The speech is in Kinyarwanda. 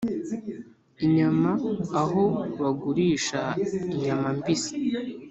inyama aho bagurisha inyama mbisi